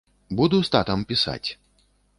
Буду з татам пісаць.